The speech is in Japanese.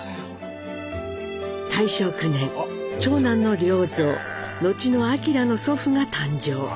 大正９年長男の良三のちの明の祖父が誕生。